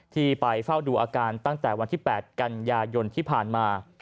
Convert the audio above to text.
ที่ไปเฝ้าดูอาการตั้งแต่วันที่๘กันยายนที่ผ่านมา